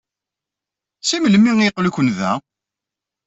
Seg melmi ay aql-iken da?